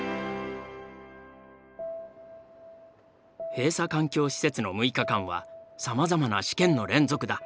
閉鎖環境施設の６日間はさまざまな試験の連続だ。